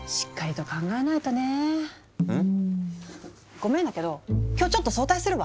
ごめんだけど今日ちょっと早退するわ。